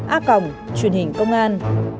a truyền hình công an